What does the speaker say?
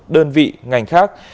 đơn vị ngành khác